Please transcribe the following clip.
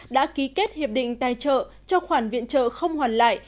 đã ký kết hiệp định tài trợ cho khoản viện trợ không hoàn lại